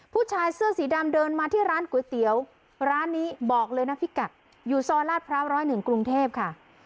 ผู้ชายเสื้อสีดำเดินมาที่ร้านก๋วยเตี๋ยวร้านนี้บอกเลยนะพี่กัดอยู่ซอยลาดพร้าว๑๐๑กรุงเทพค่ะ